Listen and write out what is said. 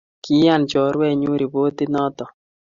Kiiyan choruenyu ripotit notok